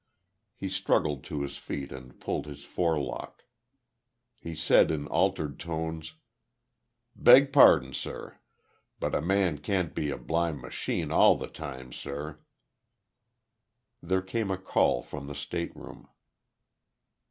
He struggled to his feet and pulled his forelock. He said in altered tones: "Beg pardon, sir. But a man can't be a blime machine all the time, sir." There came a call from the state room.